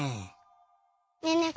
ねえねえ